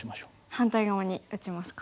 反対側に打ちますか。